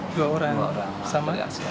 dua orang yang sama